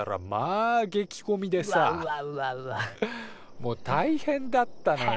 もう大変だったのよ。